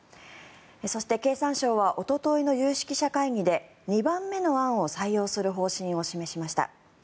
そして、経産省はおとといの有識者会議で２番目の案を採用する方針を示しました。